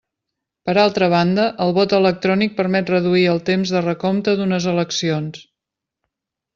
Per altra banda, el vot electrònic permet reduir el temps de recompte d'unes eleccions.